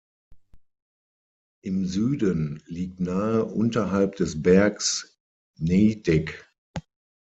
Im Süden liegt nahe unterhalb des Bergs Nejdek.